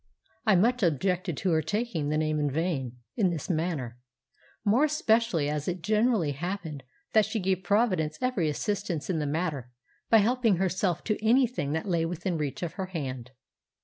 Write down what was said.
'" I much objected to her taking the Name in vain in this manner, more especially as it generally happened that she gave Providence every assistance in the matter by helping herself to anything that lay within reach of her hand!